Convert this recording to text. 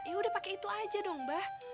ya udah pakai itu aja dong mbah